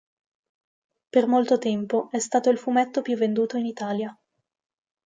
Per molto tempo è stato il fumetto più venduto in Italia.